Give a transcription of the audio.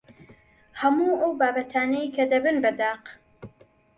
هەموو ئەو بابەتانەی کە دەبن بە دەق